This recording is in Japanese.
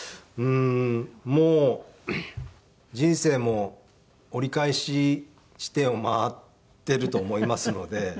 もう人生も折り返し地点を回っていると思いますので。